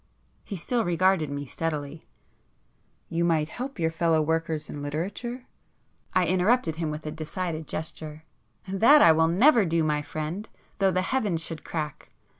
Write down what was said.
He still regarded me steadily. "You might help your fellow workers in literature...." I interrupted him with a decided gesture. "That I will never do, my friend, though the heavens should crack!